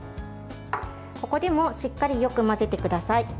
ここでも、しっかりよく混ぜてください。